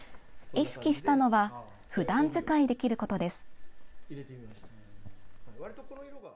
意識したのはふだん使いできることです。